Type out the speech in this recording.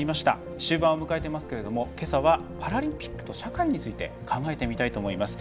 終盤を迎えていますが、今朝はパラリンピックと社会について考えてみたいと思います。